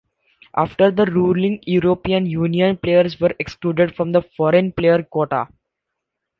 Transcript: After the ruling European Union players were excluded from the "foreign" player quota.